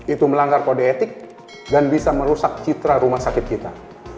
itu melanggar kode etik dan bisa merusak citra rumah sakit kita